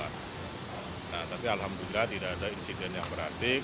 nah tapi alhamdulillah tidak ada insiden yang berarti